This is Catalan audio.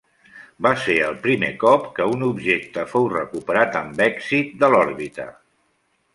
Va ser el primer cop que un objecte fou recuperat amb èxit de l'òrbita.